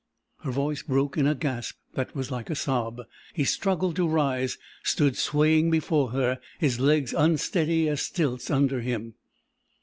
Her voice broke in a gasp that was like a sob. He struggled to rise; stood swaying before her, his legs unsteady as stilts under him.